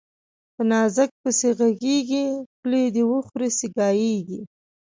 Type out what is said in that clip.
په نازک پسي ږغېږي، خولې ده وخوري سي ګايږي